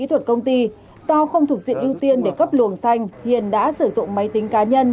kỹ thuật công ty do không thuộc diện ưu tiên để cấp luồng xanh hiền đã sử dụng máy tính cá nhân